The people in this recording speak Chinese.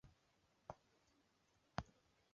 顺手牵羊是兵法三十六计的第十二计。